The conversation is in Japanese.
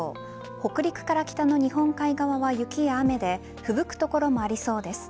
北陸から北の日本海側は雪や雨でふぶく所もありそうです。